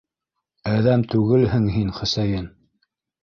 Әҙәм түгелһең һин, Хөсәйен!